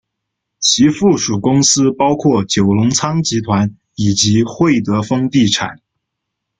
其附属公司包括九龙仓集团以及会德丰地产。